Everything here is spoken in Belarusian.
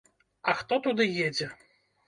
А хто туды едзе?